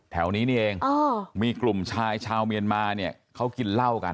แถวนี้นี่เองมีกลุ่มชายชาวเมียนมาเนี่ยเขากินเหล้ากัน